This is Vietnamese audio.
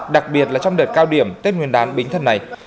đặc biệt là trong đợt cao điểm tết nguyên đán bính thân này